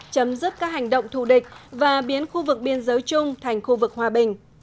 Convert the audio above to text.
chấm dứt các hành động thù địch và biến khu vực biên giới chung thành khu vực hòa bình